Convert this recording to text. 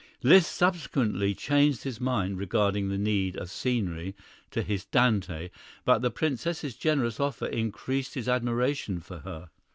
Liszt subsequently changed his mind regarding the need of scenery to his "Dante," but the Princess's generous offer increased his admiration for her.